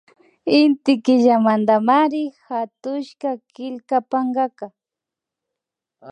Inti Killamantamari hatushka killka pankaka